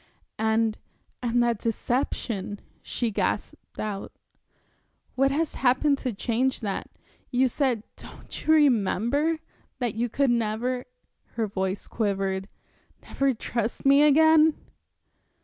"And, and that deception," she gasped out. "What has happened to change that? You said don't you remember? that you could never" her voice quivered "never trust me again."